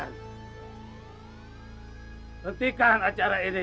hentikan acara ini